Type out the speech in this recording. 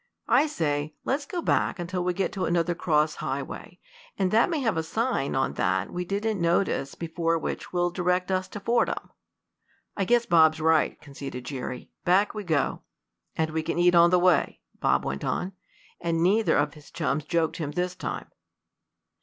I say, let's go back until we get to another cross highway, and that may have a sign on that we didn't notice before which will direct us to Fordham." "I guess Bob's right," conceded Jerry. "Back we go." "And we can eat on the way," Bob went on; and neither of his chums joked him this time.